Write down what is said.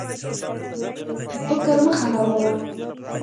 خو فکر مه خرابوه.